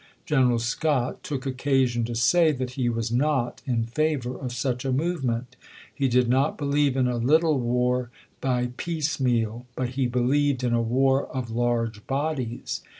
General Scott took occasion to say that he was not in favor of such a movement. " He did not believe in a little war by piecemeal. But he believed in a war of large bodies."